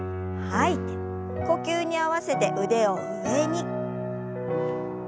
呼吸に合わせて腕を上に。